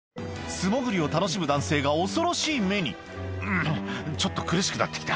素潜りを楽しむ男性が恐ろしい目に「んちょっと苦しくなって来た」